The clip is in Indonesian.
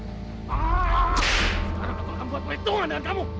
sekarang aku akan buat perhitungan dengan kamu